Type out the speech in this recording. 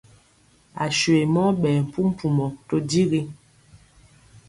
Aswe mɔ ɓɛɛ mpumpumɔ to digi.